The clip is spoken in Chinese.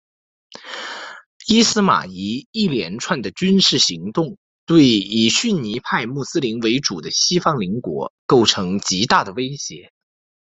伊斯玛仪一连串的军事行动对以逊尼派穆斯林为主的西方邻国构成极大的威胁。